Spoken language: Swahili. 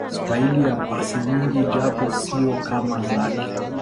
staili ya pasi nyingi japo siyo kama zake